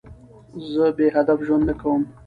زه بېهدف ژوند نه کوم.